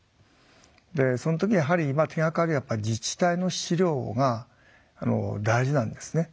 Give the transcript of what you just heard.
でその時にやはり手がかりは自治体の資料が大事なんですね。